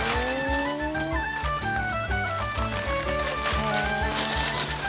へえ。